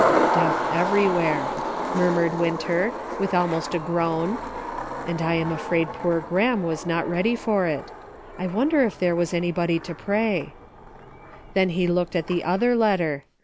"Death everywhere," murmured Winter, with almost a groan, "and I am afraid poor Grahame was not ready for it ; I wonder if there was any body to pray }" Then he looked at the other letter.